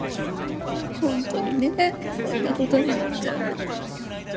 本当にねこんな事になっちゃうなんて。